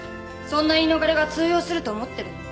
そんな言い逃れが通用すると思ってるの？